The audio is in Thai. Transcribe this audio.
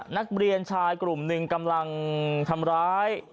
นักเรียนชายกลุ่มหนึ่งกำลังทำร้าย